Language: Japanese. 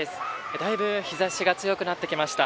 だいぶ日差しが強くなってきました。